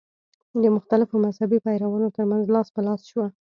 د مختلفو مذهبي پیروانو تر منځ لاس په لاس شوه.